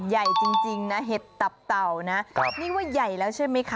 ใหญ่จริงนะเห็ดต่๋วนะเงี้ยว่าใหญ่แล้วใช่ไหมคะ